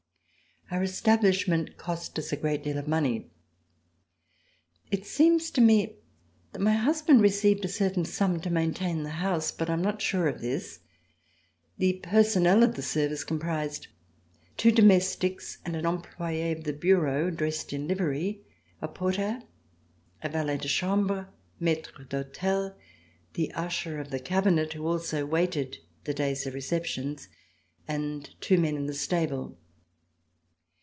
Our establishment cost us a great deal of money. It seems to me that my husband received a certain C348] THE PREFECTURE AT BRUSSELS sum to maintain the house, but 1 am not sure of this: The personnel of the service comprised two domestics and an employe of the Bureau, dressed in livery, a porter, a valet de chambre maitrc d'hotel, the usher of the cabinet, who also waited the days of receptions, and two men in the stable.